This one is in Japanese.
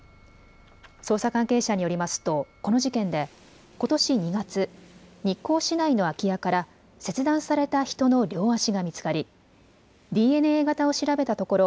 捜査関係者によりますとこの事件でことし２月、日光市内の空き家から切断された人の両足が見つかりＤＮＡ型を調べたところ